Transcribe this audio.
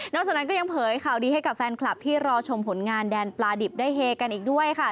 จากนั้นก็ยังเผยข่าวดีให้กับแฟนคลับที่รอชมผลงานแดนปลาดิบได้เฮกันอีกด้วยค่ะ